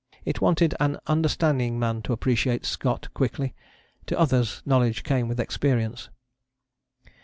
It wanted an understanding man to appreciate Scott quickly; to others knowledge came with experience.